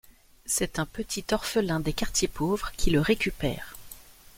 C'est un petit orphelin des quartiers pauvres qui le récupère.